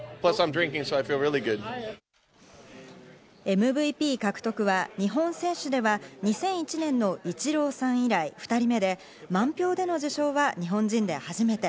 ＭＶＰ獲得は日本選手では２００１年のイチローさん以来、２人目で満票での受賞は日本人で初めて。